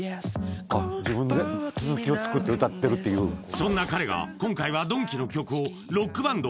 そんな彼が今回はドンキの曲をロックバンド